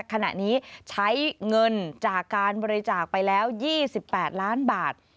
ขณะนี้ใช้เงินจากการบริจาคไปแล้ว๒๘ล้านบาท